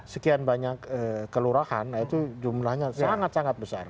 sekian banyak kelurahan nah itu jumlahnya sangat sangat besar